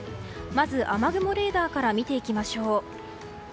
まず雨雲レーダーから見ていきましょう。